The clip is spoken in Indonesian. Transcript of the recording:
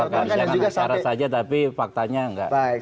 bisa dengan syarat saja tapi faktanya nggak